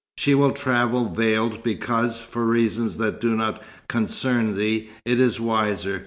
"She will travel veiled, because, for reasons that do not concern thee, it is wiser.